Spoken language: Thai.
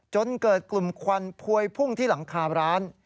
จนเกิดกลุ่มควันพวยพุ่งที่หลังคาร้าน